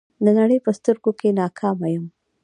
د نړۍ په سترګو کې ناکامه یم.